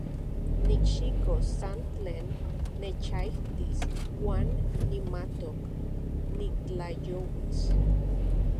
Nikxikos san tlen nechaijtis uan nimatok nitlajyouis.